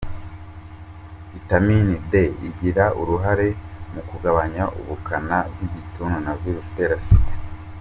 Vitamini De igira uruhare mu kugabanya ubukana bw’Igituntu na Virusi itera Sida